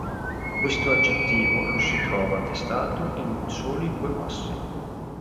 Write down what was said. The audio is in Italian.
Questo aggettivo lo si trova attestato in soli due passi.